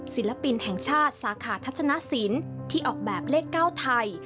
ศิลปินแห่งชาติสาขาทัศนสินที่ออกแบบเลข๙ไทย